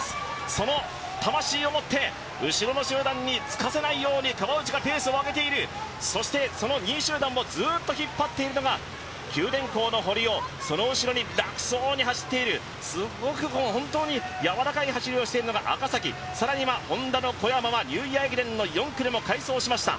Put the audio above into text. その魂をもって、後ろの集団につかせないように川内がペースを上げているそしてその２位集団をずっと引っ張っているのが九電工の堀尾その後ろに楽そうに走っている、本当にやわらかい走りをしているのが赤崎、更にはＨｏｎｄａの小山はニューイヤー駅伝でも快走しました、